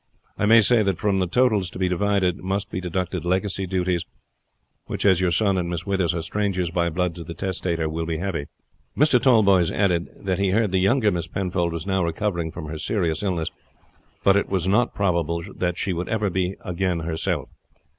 I may say that from the totals to be divided must be deducted the legacy duties, which, as your son and Miss Withers are strangers by blood to the testator, will be heavy." Mr. Tallboys added that he heard the younger Miss Penfold was now recovering from her serious illness, but it was not probable she would ever be again herself.